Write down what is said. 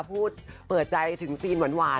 พูดเปิดใจถึงซีนหวาน